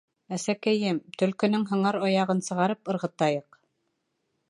— Әсәкәйем, төлкөнөң һыңар аяғын сығарып ырғытайыҡ.